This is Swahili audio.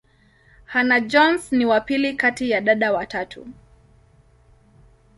Hannah-Jones ni wa pili kati ya dada watatu.